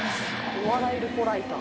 お笑いルポライター。